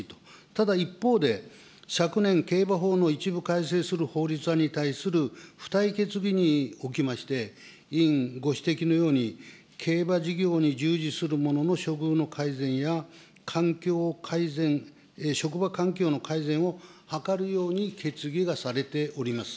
ただ一方で、昨年、競馬法を一部改正する法律案に対する付帯決議におきまして、委員ご指摘のように、競馬事業に従事する者の処遇の改善や、環境改善、職場環境の改善を図るように決議がされております。